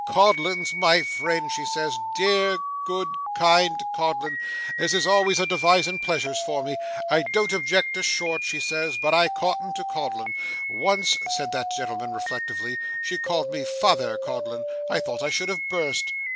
"Codlin's my friend," she says, "dear, good, kind Codlin, as is always a devising pleasures for me! I don't object to Short," she says, "but I cotton to Codlin." Once,' said that gentleman reflectively, 'she called me Father Codlin. I thought I should have bust!